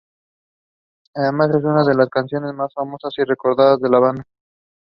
The text identifies Melchizedek with Jesus Christ.